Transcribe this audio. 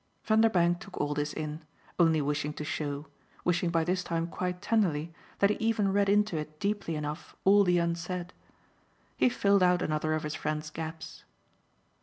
Vanderbank took all this in, only wishing to show wishing by this time quite tenderly that he even read into it deeply enough all the unsaid. He filled out another of his friend's gaps.